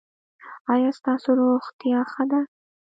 ایا ستاسو روغتیا ښه ده؟